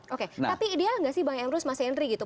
oke tapi ideal gak sih bang emrus mas henry gitu